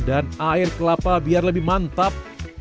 dan air kelapa biar lebih mantap